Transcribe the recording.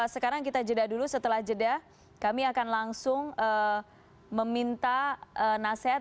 sekarang kita jeda dulu setelah jeda kami akan langsung meminta nasihat